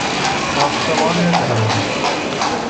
ساختمان درونی